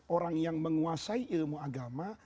orang yang menguasai ilmu agama